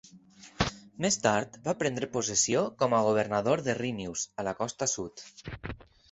Més tard, va prendre possessió com a governador de Renews, a la Costa Sud.